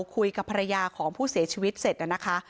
คุยกับภรรยาของผู้เสียชีวิตเสร็จนะคะ